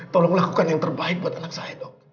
tolong lakukan yang terbaik buat anak saya